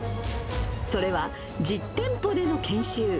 それは実店舗での研修。